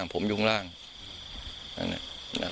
ฐานพระพุทธรูปทองคำ